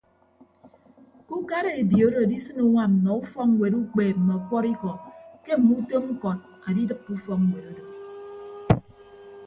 Ke ukara ebiooro adisịn uñwam nnọọ ufọkñwet ukpeep mme ọkwọrọikọ ke mme utom ñkọt adidịppe ufọkñwet odo.